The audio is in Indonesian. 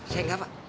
saya enggak pak